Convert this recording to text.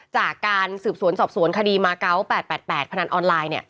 จากการสืบสวนสอบสวนคดีมาเกาะ๘๘พนันออนไลน์